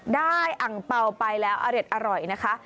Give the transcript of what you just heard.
ได้อังเป่าไปแล้วอริตอร่อยนะคะ